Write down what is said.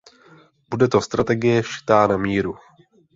Bude to strategie šitá na míru.